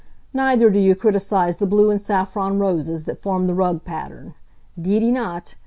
Neither do you criticize the blue and saffron roses that form the rug pattern. 'Deedy not!